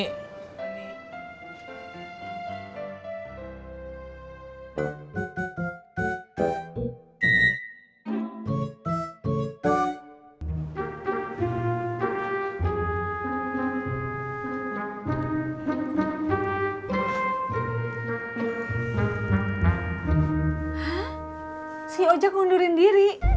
hah si ojak ngundurin diri